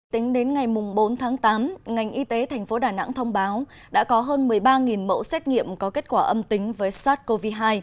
tính đến ngày bốn tháng tám ngành y tế thành phố đà nẵng thông báo đã có hơn một mươi ba mẫu xét nghiệm có kết quả âm tính với sars cov hai